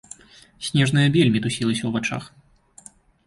Снежная бель мітусілася ў вачах.